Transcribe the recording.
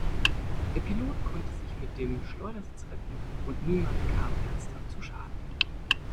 Der Pilot konnte sich mit dem Schleudersitz retten, und niemand kam ernsthaft zu Schaden.